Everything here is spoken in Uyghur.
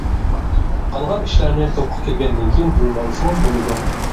قالغان ئىشلارنى توپقا كىرگەندىن كىيىن بىلىۋالسىڭىز بولىدۇ.